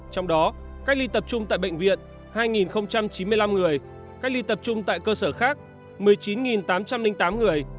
trong đó cách ly tập trung tại bệnh viện hai chín mươi năm người cách ly tập trung tại cơ sở khác một mươi chín tám trăm linh tám người